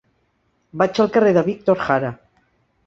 Vaig al carrer de Víctor Jara.